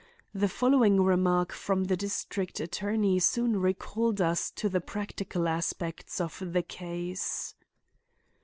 The following remark from the district attorney soon recalled us to the practical aspects of the case.